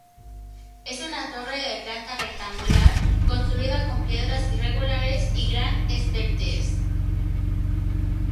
Es una torre de planta rectangular, construida con piedras irregulares y gran esbeltez.